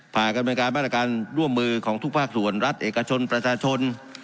ผ่านกระบวนการมาตรการร่วมมือของทุกภาคส่วนรัฐเอกชนประชาชน